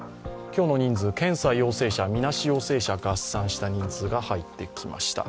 今日の人数、検査陽性者、みなし陽性者合算した人数が入ってきました。